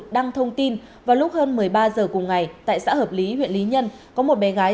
đăng thông tin vào lúc hơn một mươi ba h cùng ngày tại xã hợp lý huyện lý nhân có một bé gái